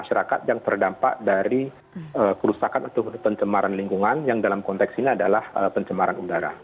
masyarakat yang terdampak dari kerusakan atau pencemaran lingkungan yang dalam konteks ini adalah pencemaran udara